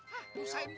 hah rusain gue